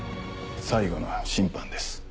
最後の審判です。